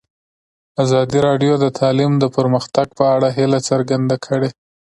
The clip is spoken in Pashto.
ازادي راډیو د تعلیم د پرمختګ په اړه هیله څرګنده کړې.